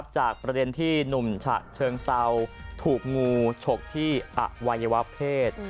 จากประเด็นที่หนุ่มฉะเชิงเซาถูกงูฉกที่อวัยวะเพศ